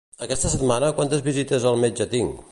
Aquesta setmana quantes visites al metge tinc?